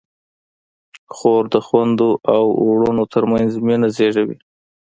خور د خویندو او وروڼو ترمنځ مینه زېږوي.